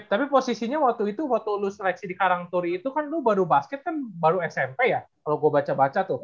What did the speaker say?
tapi posisinya waktu itu waktu lu seleksi di karang turi itu kan lo baru basket kan baru smp ya kalau gue baca baca tuh